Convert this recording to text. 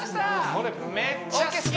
これめっちゃ好き！